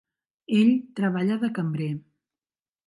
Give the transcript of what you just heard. Ell treballa de cambrer.